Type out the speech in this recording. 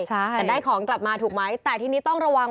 แต่ได้ของกลับมาถูกไหมแต่ทีนี้ต้องระวัง